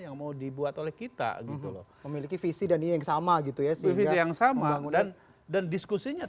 yang mau dibuat oleh kita gitu loh memiliki visi dan ini yang sama gitu ya sehingga yang sama bangunan dan diskusinya